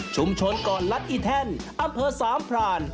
ชุมชนกรรณัฐอีทันอำเภอสามพราน